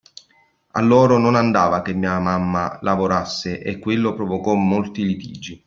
A loro non andava che mia mamma lavorasse e quello provocò molti litigi.